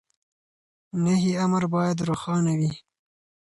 نهي امر بايد روښانه وي.